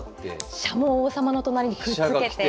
飛車も王様の隣にくっつけて。